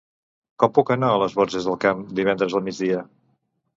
Com puc anar a les Borges del Camp divendres al migdia?